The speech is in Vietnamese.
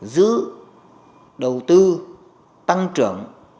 giữ đầu tư tăng trưởng